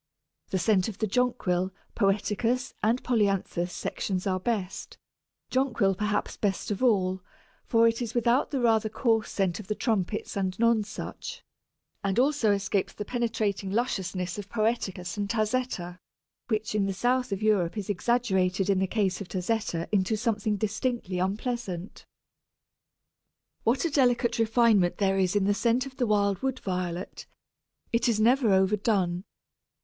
The scent of the Jonquil, Poeticus, and Polyanthus sections are best, Jonquil perhaps best of all, for it is without the rather coarse scent of the Trumpets and Nonsuch, and also escapes the penetrating lusciousness of poeticus and tazetta, which in the south of Europe is exaggerated in the case of tazetta into something distinctly unpleasant. What a delicate refinement there is in the scent of the wild Wood Violet; it is never overdone.